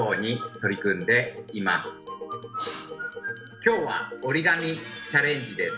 今日は折り紙チャレンジです。